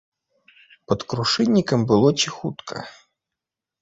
Пад крушыннікам было ціхутка.